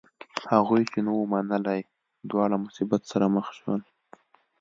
هغوی چې نه و منلی دواړه مصیبت سره مخ شول.